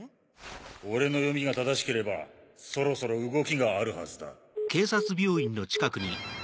俺の読みが正しければそろそろ動きがあるはずだ。